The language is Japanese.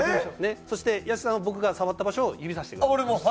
そして、屋敷さんは僕が触った場所を指さしてください。